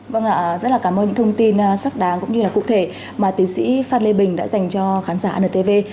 vâng ạ rất là cảm ơn những thông tin sắc đáng cũng như là cụ thể mà tiến sĩ phan lê bình đã dành cho khán giả antv